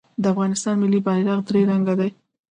د افغانستان ملي بیرغ درې رنګه دی